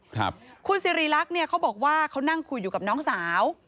ครับคุณสิริรักษ์เนี่ยเขาบอกว่าเขานั่งคุยอยู่กับน้องสาว